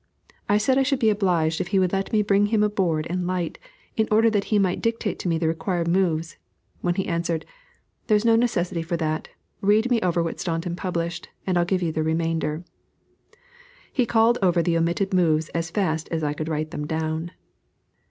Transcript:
I said I should be obliged if he would let me bring him a board and light, in order that he might dictate me the required moves, when he answered "There's no necessity for that: read me over what Staunton published, and I'll give you the remainder." He called over the omitted moves as fast as I could write them down.